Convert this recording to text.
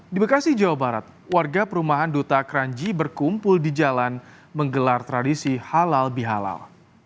di bekasi jawa barat warga perumahan duta kranji berkumpul di jalan menggelar tradisi halal bihalal